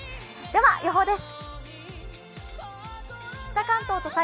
では、予報です。